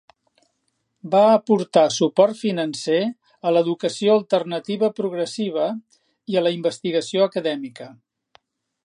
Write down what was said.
Va aportar suport financer a l'educació alternativa progressiva i a la investigació acadèmica.